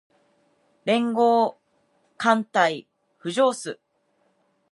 連合艦隊浮上す